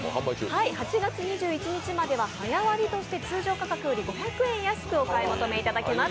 ８月２１日までは早割として通常価格より５００円安くお買い求めいただけます